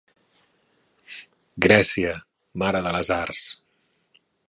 Grècia, mare de les arts.